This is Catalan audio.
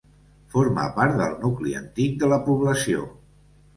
Forma part del nucli antic de la població.